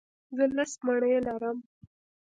زه لس مڼې لرم.